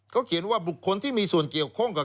เขาเขียนว่าบุคคลที่มีส่วนเกี่ยวข้องกับ